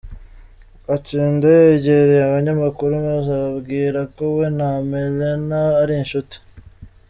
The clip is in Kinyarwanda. Aceda yegereye abanyamakuru maze ababwira ko we na Amellena ari inshuti.